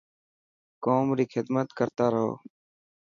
قوم ري خدمت ڪرتارهو.